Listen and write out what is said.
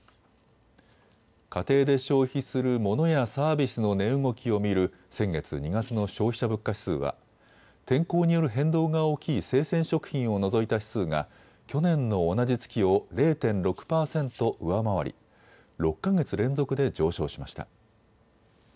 家庭で消費するモノやサービスの値動きを見る先月２月の消費者物価指数は天候による変動が大きい生鮮食品を除いた指数が去年の同じ月を０．６％上回り６か月連続で上昇しました。